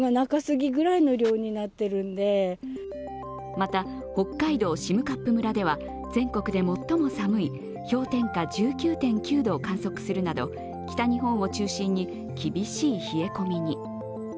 また北海道占冠村では全国で最も寒い氷点下１９．９度を観測するなど北日本を中心に厳しい冷え込みに。